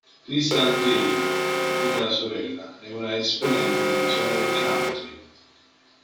Crystal Gayle, come la sorella, è una esponente del genere country.